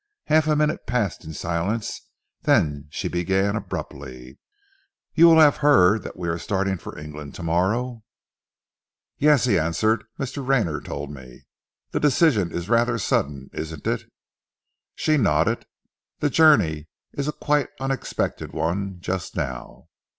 Half a minute passed in silence, then she began abruptly: "You will have heard that we are starting for England tomorrow?" "Yes," he answered. "Mr. Rayner told me. The decision is rather sudden, isn't it?" She nodded. "The journey is a quite unexpected one, just now.